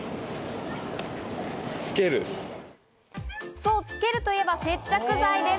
そう、つけるといえば接着剤です！